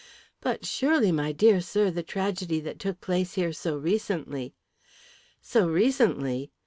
"But, surely, my dear sir, the tragedy that took place here so recently " "So recently!